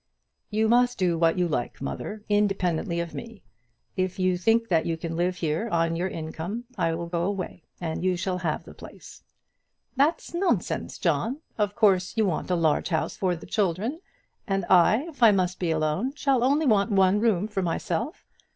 "You must do what you like, mother, independently of me. If you think you can live here on your income, I will go away, and you shall have the place." "That's nonsense, John. Of course you want a large house for the children, and I, if I must be alone, shall only want one room for myself.